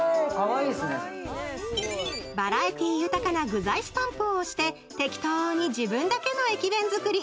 バラエティー豊かな具材スタンプを押しててきとに自分だけの駅弁作り。